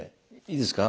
いいですか？